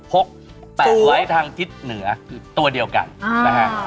กแปะไว้ทางทิศเหนือคือตัวเดียวกันนะฮะ